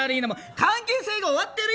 関係性が終わってるよ。